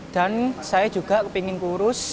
dan saya juga ingin kurus